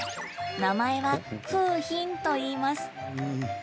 名前は楓浜といいます。